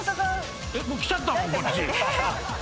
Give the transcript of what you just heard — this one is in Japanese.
来ちゃったもんこっち。